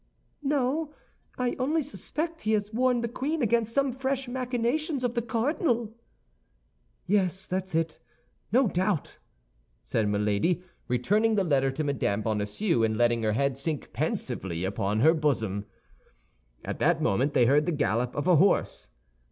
"No, I only suspect he has warned the queen against some fresh machinations of the cardinal." "Yes, that's it, no doubt!" said Milady, returning the letter to Mme. Bonacieux, and letting her head sink pensively upon her bosom. At that moment they heard the gallop of a horse.